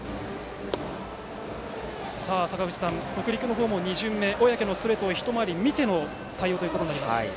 坂口さん、北陸も２巡目小宅のストレートを一回り見ての対応となります。